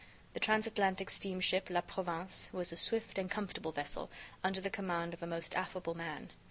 The transatlantic steamship 'La Provence' was a swift and comfortable vessel, under the command of a most affable man.